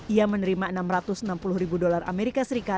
ia menerima enam ratus enam puluh ribu dolar as